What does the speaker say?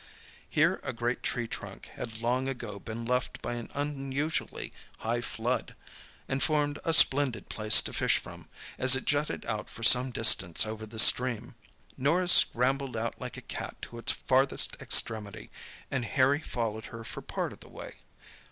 Here a great tree trunk had long ago been left by an unusually high flood, and formed a splendid place to fish from, as it jutted out for some distance over the stream. Norah scrambled out like a cat to its farthest extremity, and Harry followed her for part of the way.